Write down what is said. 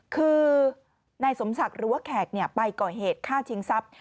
คือนายสมศักดิ์หรือว่าแขกไปก่อเหตุฆ่าชิงทรัพย์